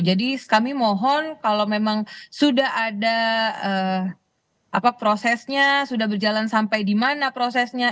jadi kami mohon kalau memang sudah ada prosesnya sudah berjalan sampai di mana prosesnya